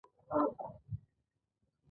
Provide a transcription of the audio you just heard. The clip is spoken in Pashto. د دولت د مامورینو د چارو تنظیم او اصلاح.